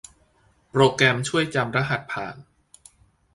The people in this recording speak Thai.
โปรแกรมช่วยจำรหัสผ่าน